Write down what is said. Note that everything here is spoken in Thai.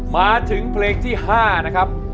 มาถึงเพลงที่๕นะครับ